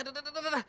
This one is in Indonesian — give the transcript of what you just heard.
aduh aduh aduh aduh